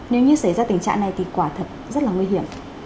nếu như xảy ra tình trạng này thì quả thật rất là nguy hiểm